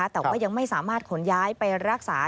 แต่ว่ายังไม่สามารถขนย้ายไปรักษา